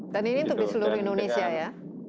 dan ini untuk di seluruh indonesia ya